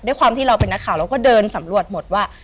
ด้วยความที่เราเป็นนักข่าวเราก็เดินสำรวจหมดว่า